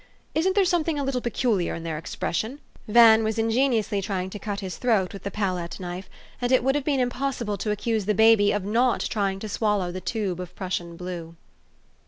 Isn't there something a little peculiar in their expression ? Van was ingeniously trying to cut his throat with THE STOKY OF AVIS. 375 the palette knife, and it would have been impossible to accuse the baby of not trying to swallow the tube of Prussian blue.